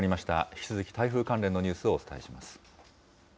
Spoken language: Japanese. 引き続き台風関連のニュースをお伝えします。